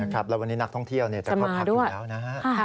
แล้ววันนี้นักท่องเที่ยวจะเข้าพักอยู่แล้วนะฮะ